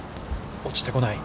落ちてこない。